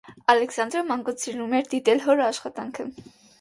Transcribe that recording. Ալեքսանդրը մանկուց սիրում էր դիտել հոր աշխատանքը։